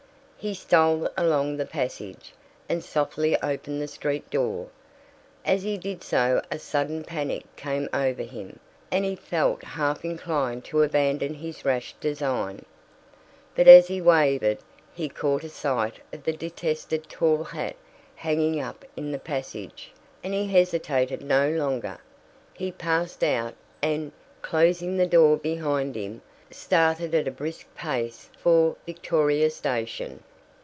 He stole along the passage, and softly opened the street door. As he did so a sudden panic came over him, and he felt half inclined to abandon his rash design. But as he wavered he caught sight of the detested tall hat hanging up in the passage, and he hesitated no longer. He passed out, and, closing the door behind him, started at a brisk pace for Victoria station.